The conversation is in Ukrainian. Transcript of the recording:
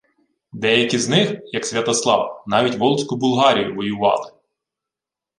Деякі з них, як Святослав, навіть Волзьку Булгарію воювали